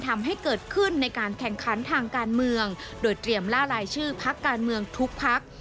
ทำให้เกิดขึ้นในการแข่งขันทางการเมืองโดยเตรียมล่าลายชื่อพักการเมืองทุกพัก